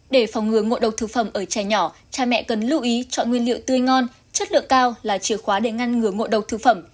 để phòng ngừa ngộ độc thực phẩm ở trẻ nhỏ cha mẹ cần lưu ý chọn nguyên liệu tươi ngon chất lượng cao là chìa khóa để ngăn ngừa ngộ độc thực phẩm